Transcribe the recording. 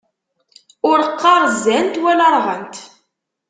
Ur qqaṛ zzant, wala rɣant!